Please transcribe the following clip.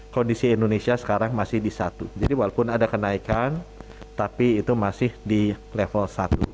kondisi indonesia sekarang masih di satu jadi walaupun ada kenaikan tapi itu masih di level satu